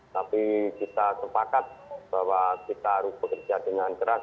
tapi kita sepakat bahwa kita harus bekerja dengan keras